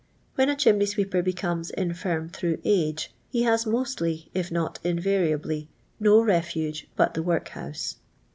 Whrn a chimney swerper ' brionii s intirni through age, he has mostly, it not I invariably, no refuge but the workhouse.